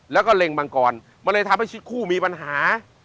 แล้วก็เลงมังกรมันเลยทัพให้คู่มีปัญหา